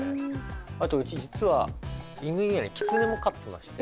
あとうち実は犬以外にキツネも飼ってまして。